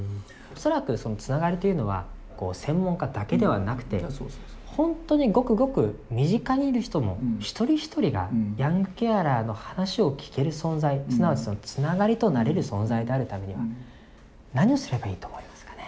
恐らくそのつながりというのは専門家だけではなくて本当にごくごく身近にいる人の一人一人がヤングケアラーの話を聞ける存在すなわちそのつながりとなれる存在であるためには何をすればいいと思いますかね？